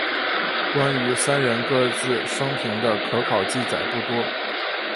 关于三人各自生平的可考记载不多。